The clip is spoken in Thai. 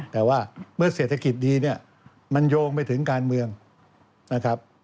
แต่ว่าเมื่อเศรษฐกิจดีเนี่ยมันโยงไปถึงการเมืองนะครับ